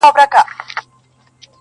گراني رڼا مه كوه مړ به مي كړې.